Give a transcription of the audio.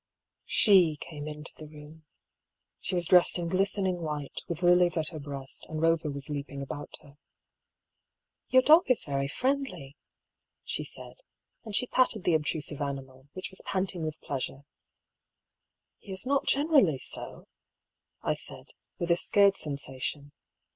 EXTRACT FROM DIARY OP DR. HUGH PAULL. 257 She came into the room ; she was dressed in glisten ing white, with lilies at her breast, and Eover was leap ing about her. " Your dog is very friendly," she said, and she patted the obtrusive animal, which was panting with pleasure. " He is not generally so," I said, with a scared sensa tion.